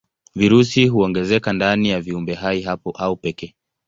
Virusi huongezeka ndani ya viumbehai hao pekee.